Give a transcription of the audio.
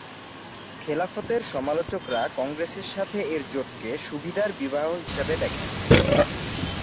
খেলাফতের সমালোচকরা কংগ্রেসের সাথে এর জোটকে সুবিধার বিবাহ হিসাবে দেখেন।